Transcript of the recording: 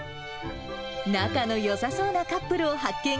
仲のよさそうなカップルを発見。